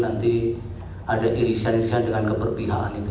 nanti ada irisan irisan dengan keberpihakan itu